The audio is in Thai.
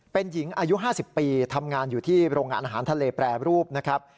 เป็นหญิงอายุ๕๐ปีทำงานอยู่ที่โรงงานอาหารทะเลแปรรูปนะครับ